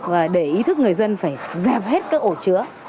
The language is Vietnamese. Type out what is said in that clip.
và để ý thức người dân phải ra hết các ổ chứa